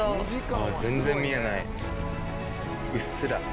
あ全然見えないうっすら。